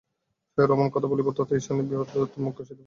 ফের অমন কথা বলিবি ত, এই সানের পাথরে তাের মুখ ঘষিয়া দিব!